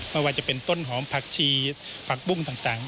ไม่ว่าจะเป็นต้นหอมผักชีผักบุ้งต่าง